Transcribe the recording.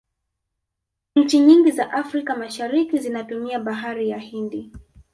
nchi nyingi za africa mashariki zinatumia bahari ya hindi